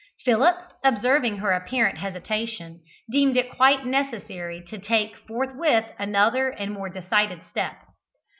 Philip, observing her apparent hesitation, deemed it quite necessary to take forthwith another and a more decided step.